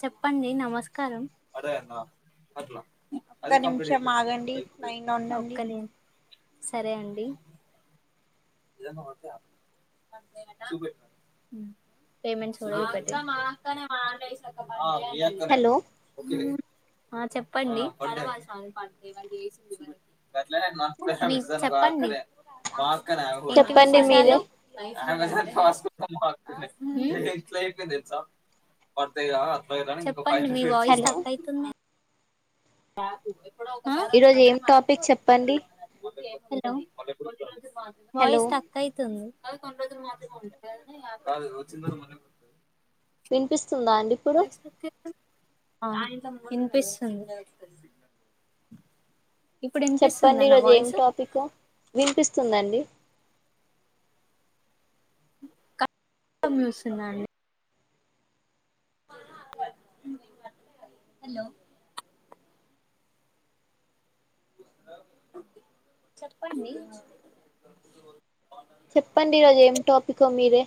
చెప్పండి. నమస్తే నమస్కారం. ఒక్క నిమిషం ఆగండి. లైన్ లో ఒక్క ఉండండి. ని సరే అండి. [unintelligible] [inaudible] హలో ఆ చెప్పండి. [unintelligible] చెప్పండి. ఏంటి చెప్పండి మీరే విశేషాలు హ్మ్ చెప్పండి. మీ వాయిస్ హలో స్టాక్ అయితుంది ఈరోజు ఏం టాపిక్ చెప్పండి హలో హలో వాయిస్ స్టక్ అయితుంది అ కొన్నీ రోజులు మాత్రమే ఉంటుంది వినిపిస్తూ సందా అండి ఇప్పుడు ఆ వినిపిస్తుంది ఇప్పుడు వినిపిస్తుందా చెప్పండి నా ఈరోజు ఏం వాయిస్ టాపిక్ వినిపిస్తుందండి కట్ కట్ వస్తుందా అండి హలో చెప్పండి చెప్పండి ఈ రోజు ఏం టాపిక్ మీరే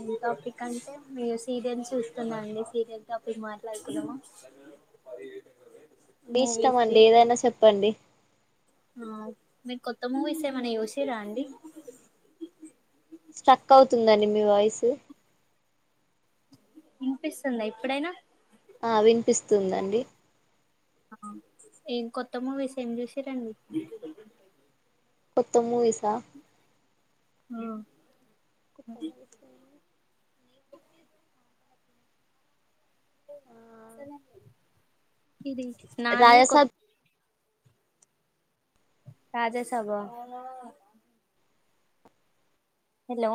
ఏన్ టాపిక్ అంటే మీరు సీరియల్ చూస్తున్నా అండి సీరియల్ టాపిక్ మాట్లాడుకుందామా మీ ఇష్టం అండి ఏదైనా చెప్పండి ఆ మీకు కొత్త మూవీస్ ఏమన్నా చూసిర్ర అండి స్ట్రక్ అవుతుందండి మీ వాయిసు వినిపిస్తుందా ఇప్పుడైనా ఆ వినిపిస్తుందండి ఆ ఏం కొత్త మూవీస్ ఏం చూసిర్రుండి కొత్త మూవీస్ క్కా ఆ కుప్పల్లో విష సరేం ఇది నానేే కొత్త రాజసాబ్ రాజసాబ్ ఆ హలో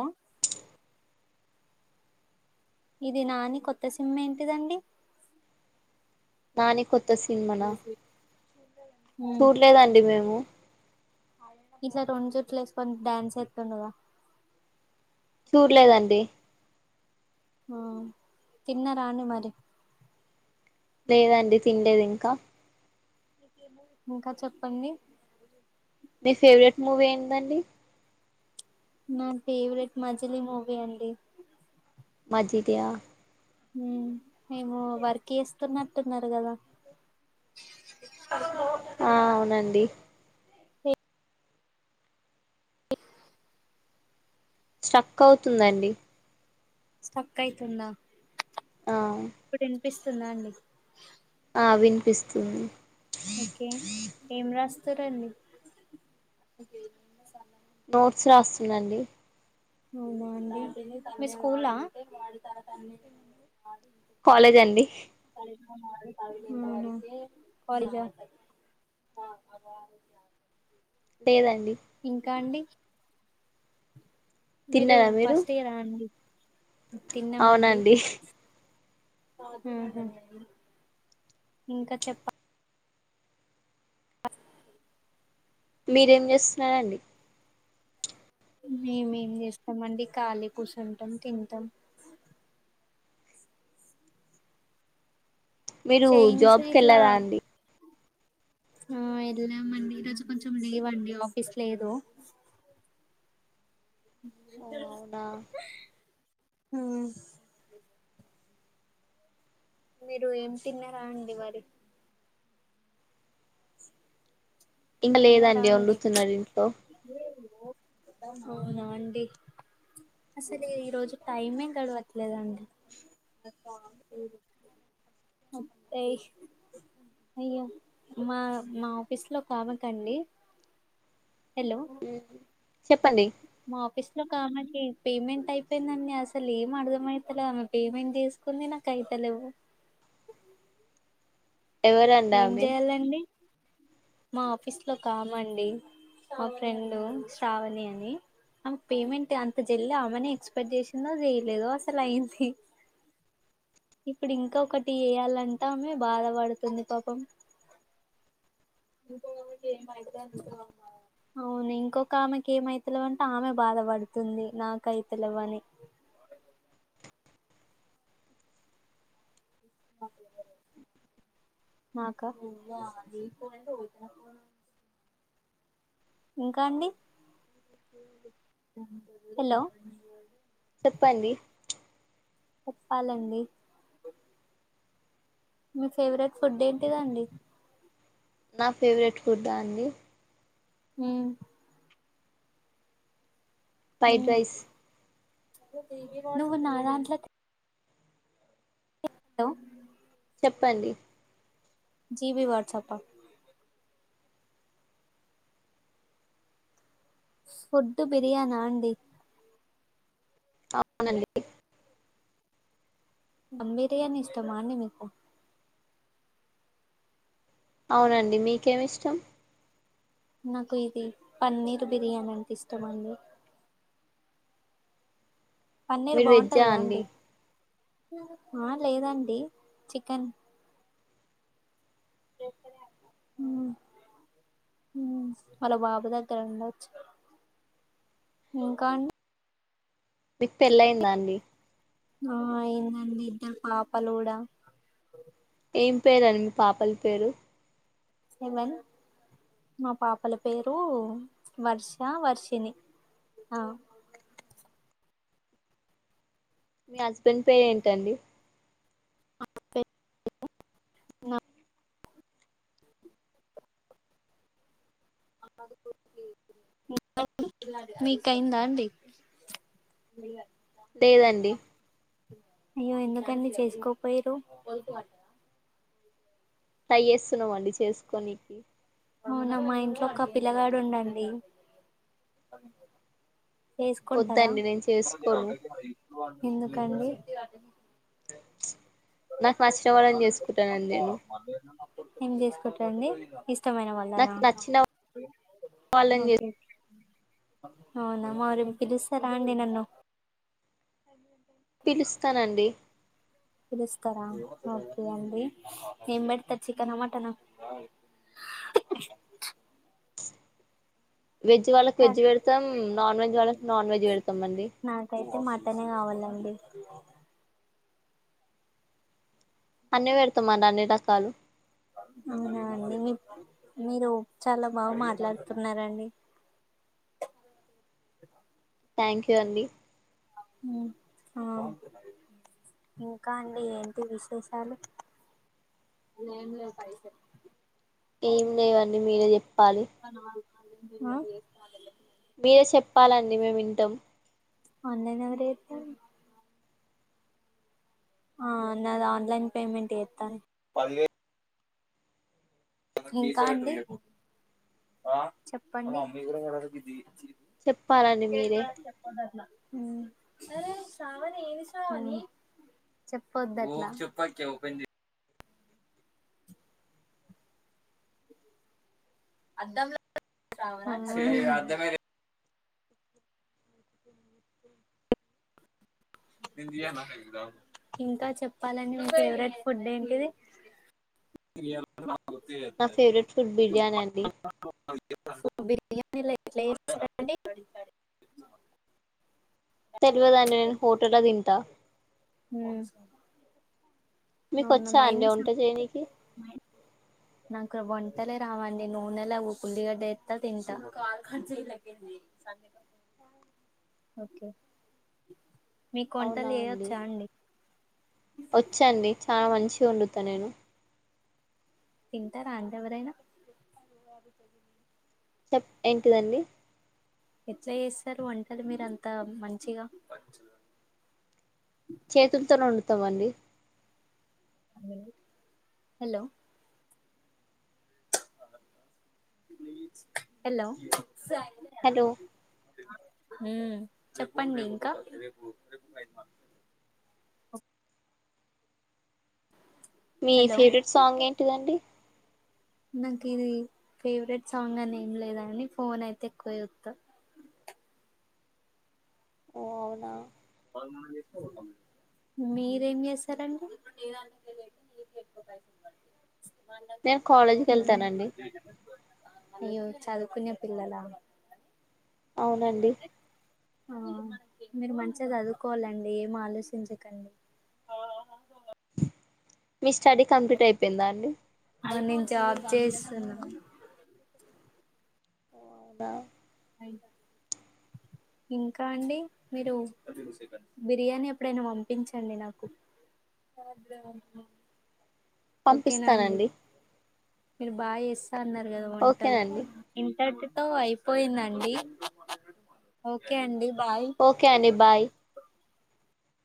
ఇది నాని కొత్త సినిమా ఏంటిదండి నాని కొత్త త్త సినిమా నా చూడలేదండి మేము ఇట్లా రెండు చుట్లు వేసుకొని డాన్స్ వేస్తుండగా చూడలేదండి తిన్నరా అండి మరి లేదండి తినలేదు ఇంకా ఇంకా చెప్పండి మీ ఫేవరెట్ మూవీ ఏందండి నా ఫేవరెట్ మజిలి మూవీ అండి మజీ త్యా హ మేము వర్క్ చేస్త తున్నట్టున్నారు కదా ఆ అవునండి అ స్ట్రక్ అవుతుందండి స్టక్ ఐతుందా ఆ ఇప్పుడ ఇప్పిస్తుదండి ఆ వినిపిస్తుంది ఓకే ఏమరాస్ సరండి నోట్స్ రాస్తున్నాండి అవునా అండి మీ స్కూల్ కాలేజ్ అండి పరి లేదండి ఇంకా అండి మీరు ఫస్ట్ ఇయర్ అండి తిన్నామండి అవునండి ఇంకా చెప్ప మీరేం చేస్తున్నారంండి మేమేం చేస్తామ అండి కాళీ కూసుంటాం తింటాం మీరు చేయించి జాబ్కి ఇట్లా వెళ్ళారా అండి ఆ వెళ్ళామండి ఈరోజు కొంచెం లీవండి ఆఫీస్ లేదు ఓ అవునా హ మీరు ఏం తిన్నారా అండి వరి ఇంకా తిన్నారా లేదండి అండి వండుతున్నాడు ఇంట్లో అవునా అండి అసలు మ్మ్. ఈరోజు టైమే గడవట్లేదండి అయ మా మా ఆఫీస్ లో కావ కండి హలో చెప్పండి మా ఆఫీస్ లో ఒకామెకి పేమెంట్ అయిపోయిందండి అసలు ఏం అర్థమైతలే ఆమె పేమెంట్ చేసుకుని నాకు అయితలేవు ఎవరండి ఏం ఆమె చేయాలండి మా ఆఫీస్ లో ఒకామండి మా ఫ్రెండు శ్రావణి అని ఆమె పేమెంట్ అంత జల్దీ ఆమెనె ఎక్స్పెక్ట్ చేసిందో చేయలేదో అసలు అయింది ఇప్పుడు ఇంకా ఒకటి ఎయాలంటా ఆమె బాధ పడుతుంది పాపం అవును ఇంకొక ఆమెకి ఏమైతలేవ్ అంట ఆమె బాధ పడుతుంది నాకైతలేవ్ అని [unintelligible] మాకా [unintelligible] ఇంకా అండి [unintelligible] హాల్లో చెప్పండి చెప్పాలండి మీ ఫేవ్రెట్ ఫుడ్ ఏంటిదండి నా ఫేవ్రెట్ ఫుడా అండి మ్మ్ ఫ్రైడ్ మ్మ్ రైస్ నువ్వు నాదాంట్లాకి లో చెప్పండి జీబీ వట్సపా ఫుడ్ బిర్యాన అండి అవునండీ బిర్యాని ఇష్టమాండి మీకు అవునండి మీకేమిష్టం నాకు ఇది పన్నీర్ బిర్యానంటె ఇష్టమండి పన్నీరు మీరు వెజ్జా బాగుంటదగ అండి ఆ లేదండి చికెన్ అవునా వాల బాబు దగ్గర ఉండొచ్చు ఇంకా అండి మీకు పెళ్ళయిందా అండి ఆ అయిందండి ఇద్దరు పాపలు కూడా ఏం పేరండి మీ పాపల పేరు ఏవన్ మా పాపల పేరు వర్ష వర్షిణి మీ హస్బెండ్ పేరెంటండి [inaudible] నా మీకైందా అండి లేదండి అయ్యో ఎందుకండి చేసుకోపోయిరు ట్రై చేస్తున్నమండి చేసుకోనికి అవునా మా ఇంట్లో ఒక పిల్లగాడుండండి ఏసుకుంటరా వద్దండి నేను చేసుకోను ఎందుకండి [unintelligible] నాకు నచ్చిన వాలనిచేసుకుంటానండి నేను ఏం చేసుకుంట్రండి ఇష్టమైన వాళ్ళనా నాకు నచ్చిన వాళ్ళని చే ఓకే అవునా మరి పిలుస్తారా అండి నన్ను పిలుస్తానండి ఓకే అండి ఏం పెడరు చికెన్ మటన. వెజ్ వాళ్ళకు వెజ్ పెడతాం నాన్ వెజ్ వాళ్ళకి నాన్ వెజ్ పెడతాం అండి నాకైతే మటనే కావాలండి అన్ని పెడతామ అన్ని రకాలు అవునా అండి మీ మీరు చాలా బాగా మాట్లాడుతున్నారంండి థ్యాంక్యూ. అండి ఇంకా అండి ఏంటి విశేషాలు ఏమి లేవండి మీరే చెప్ప పాలి ఆ మీరే చెప్పాలండి మేమి వింటాం అన్లైన్ ఎవరైతే ఆ నాది ఆన్లైన్ పేమెంట్ ఎస్త ఇంకా అండి చెప్పండి చెప్పాలండి మీరే చెప్పొద్దట్ల అద్దం ఇంకా చెప్పాలండి మా ఫేవరెట్ ఫుడ్ ఏంటిది ఇ నా ఫేవరెట్ ఫుడ్ బిర్యానీ అండి పో మీరు ఎట్లచేస్తారండి తెల్వదండీ నేను హోటల్ ల తింటా హ్మ్మ్ మీకు అవును వచ్చా మైని అండి వంట చేయనికి నాకు వంటలే రావండి నూనె ల ఒక వుల్లిగడ్డ ఎత్త తింటా ఓకే మీ వంటలు ఎయొచ్చా అండి వచ్చండి చాలా మంచిగా వండుతా నేను తింటారా అంట ఎవరైనా చెప్ ఏంటిదండి ఎట్లా చేస్తారు వంటలు మీరు అంతా మంచిగా చేతులతోనే వండుతాం అండి హలో హలో హలో హ్మ్మ్ చెప్పండి ఇంకా మీ హలో ఫేవరెట్ సాంగ్ ఏంటిదండి నాకు ఇది ఫేవరెట్ సాంగ్ అని ఏం లేదంని ఫోన్ అయితే ఎక్కువ జూస్తా ఓ అవునా. మీరేం చేస్తారండీ మళ్ళ నేను తప్ప కాలేజీకి హ్మ్ వెళ్తానండి అయ్యో చదువుకునే పిల్లలా అవునండి ఆ మీర్ మన్ చిగా చదువుకోవాలండి ఏం ఆలోచించకండి మీ స్టడీ కంప్లీట్ అయిపోయిందా అండి వన్ నుంచి జాబ్ చేస్తున్నా అవునా హ్మ్ ఇంకా అండి మీరు బిర్యానీ ఎప్పుడైనా పంపించండి నాకు ఓకేనా అండి పంపిస్తాననండి మీరు బాయ ఏస్ అన్నారు కదా వంటలు ఓకేనండి ఇంట తో అయిపోయింద అండి ఓకే అండి బాయ్ ఓకే అండి బాయ్